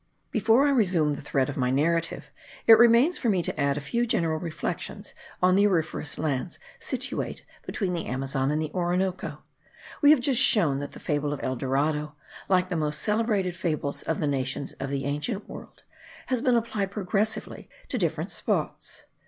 Before I resume the thread of my narrative, it remains for me to add a few general reflections on the auriferous lands situate between the Amazon and the Orinoco. We have just shown that the fable of El Dorado, like the most celebrated fables of the nations of the ancient world, has been applied progressively to different spots.